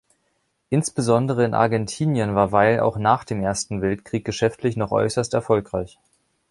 Insbesondere in Argentinien war Weil auch nach dem Ersten Weltkrieg geschäftlich noch äußerst erfolgreich.